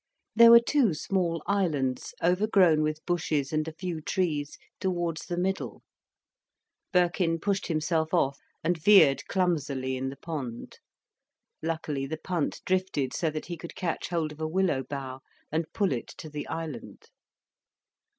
There were two small islands overgrown with bushes and a few trees, towards the middle. Birkin pushed himself off, and veered clumsily in the pond. Luckily the punt drifted so that he could catch hold of a willow bough, and pull it to the island.